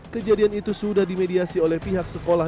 kejadian itu sudah dimediasi oleh pihak sekolah